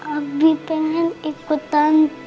abi pengen ikut tante